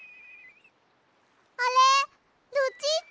あれルチータ！